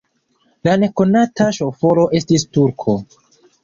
La nekonata ŝoforo estis turko.